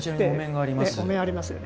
お面ありますよね。